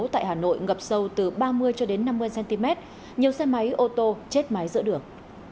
tại hà nội ngập sâu từ ba mươi cho đến năm mươi cm nhiều xe máy ô tô chết máy giữa đường